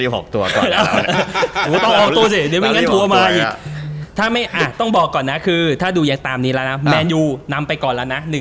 หรือต้องออกตัวก่อน